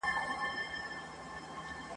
لکه څپو بې لاري کړې بېړۍ ..